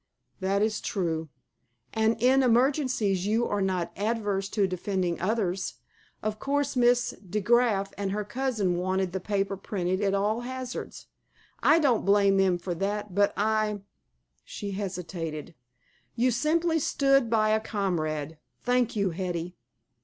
"That is true." "And in emergencies you are not averse to defending others. Of course Miss DeGraf and her cousin wanted the paper printed, at all hazards. I don't blame them for that; but I " She hesitated. "You simply stood by a comrade. Thank you, Hetty."